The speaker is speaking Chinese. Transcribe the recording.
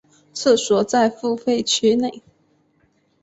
厕所在付费区内。